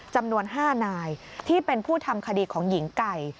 จำนวน๕นายที่เป็นผู้ทำคดีของหญิงไก่